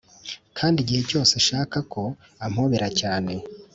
kandi igihe cyose nshaka ko ampobera cyane